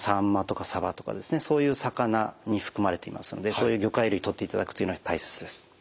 そういう魚に含まれていますのでそういう魚介類とっていただくというのは大切です。